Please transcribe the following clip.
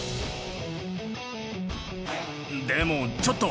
でもちょっと。